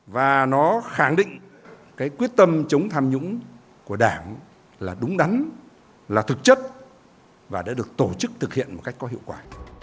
và nó khẳng định cái quyết tâm chống tham nhũng của đảng là đúng đắn là thực chất và đã được tổ chức thực hiện một cách có hiệu quả